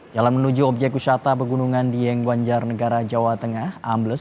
jalan menuju objek wisata pegunungan dieng banjar negara jawa tengah ambles